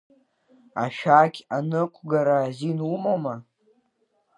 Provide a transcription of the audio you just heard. Ашәақь аныҟәгара азин умоума?